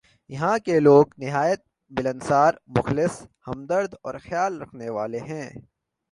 یہاں کے لوگ نہایت ملنسار ، مخلص ، ہمدرد اورخیال رکھنے والے ہیں ۔